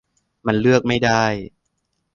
มันเลือกไม่ได้